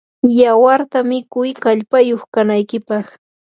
yawarta mikuy kallpayuq kanaykipaq.